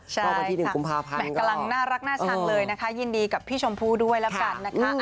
ใช่ค่ะกำลังน่ารักน่าชังเลยนะคะยินดีกับพี่ชมพูด้วยแล้วกันนะคะ